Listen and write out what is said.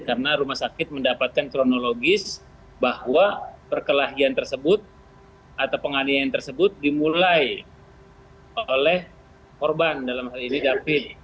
karena rumah sakit mendapatkan kronologis bahwa perkelahian tersebut atau penganian tersebut dimulai oleh korban dalam hal ini david